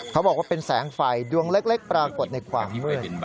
เขาบอกว่าเป็นแสงไฟดวงเล็กปรากฏในความมืด